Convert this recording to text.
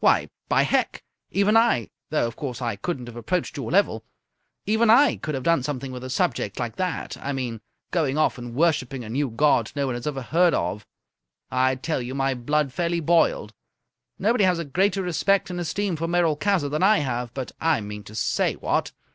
Why, by Hec, even I though, of course, I couldn't have approached your level even I could have done something with a subject like that. I mean, going off and worshipping a new god no one has ever heard of. I tell you, my blood fairly boiled. Nobody has a greater respect and esteem for Merolchazzar than I have, but I mean to say, what!